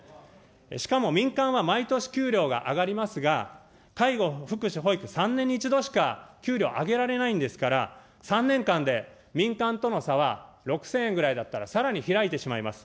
しかも民間は毎年、給料が上がりますが、介護、福祉、保育、３年に１度しか、給料上げられないんですから、３年間で民間との差は６０００円ぐらいだったらさらに開いてしまいます。